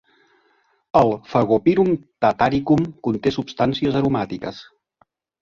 El "Fagopyrum tataricum" conté substàncies aromàtiques.